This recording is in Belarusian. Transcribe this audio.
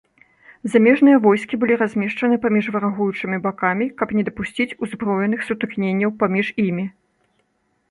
Замежныя войскі былі размешчаны паміж варагуючымі бакамі, каб не дапусціць узброеных сутыкненняў паміж імі.